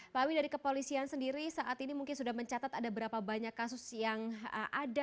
pak awi dari kepolisian sendiri saat ini mungkin sudah mencatat ada berapa banyak kasus yang ada